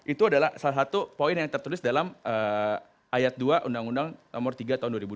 itu adalah salah satu poin yang tertulis dalam ayat dua undang undang nomor tiga tahun dua ribu dua